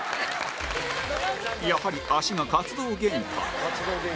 やはり足が活動限界